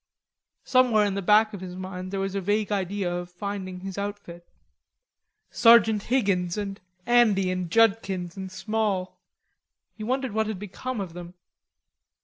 Somewhere in the back of his mind there was a vague idea of finding his outfit. Sergeant Higgins and Andy and Judkins and Small he wondered what had become of them.